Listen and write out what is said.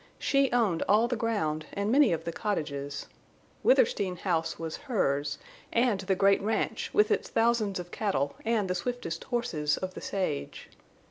She owned all the ground and many of the cottages. Withersteen House was hers, and the great ranch, with its thousands of cattle, and the swiftest horses of the sage.